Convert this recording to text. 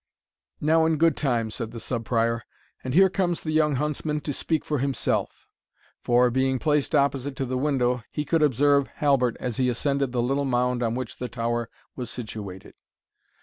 "Now, in good time," said the Sub Prior, "and here comes the young huntsman to speak for himself;" for, being placed opposite to the window, he could observe Halbert as he ascended the little mound on which the tower was situated.